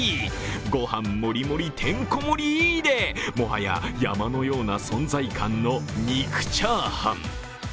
御飯もりもりてんこ盛りでもはや山のような存在感の肉チャーハン。